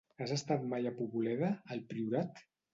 Has estat mai a Poboleda, al Priorat?